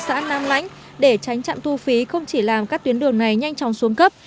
xã nam lãnh để tránh trạm thu phí không chỉ làm các tuyến đường này nhanh chóng xuống cấp